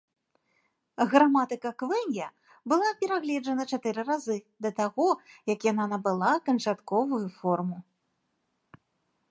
Граматыка квэнья была перагледжана чатыры разы да таго, як яна набыла канчатковую форму.